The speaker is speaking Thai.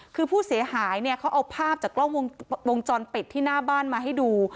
คือผู้เสียหายเนี่ยเขาเอาภาพจากกล้องวงจรปิดที่หน้าบ้านมาให้ดู